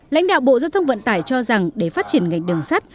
lãnh đạo bộ giao thông vận tải cho rằng để phát triển ngành đường sắt